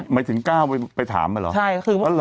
หมายถึงก้าวไปถามเหมือนกันเหรอ